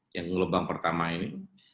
yang lubang pertama ini